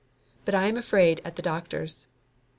But I am afraid at the doctors.